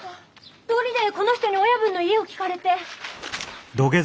通りでこの人に親分の家を聞かれて。